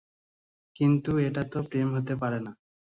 কিন্তু, এটাতো প্রেম হতে পারে না।